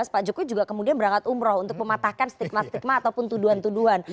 pak jokowi juga kemudian berangkat umroh untuk mematahkan stigma stigma ataupun tuduhan tuduhan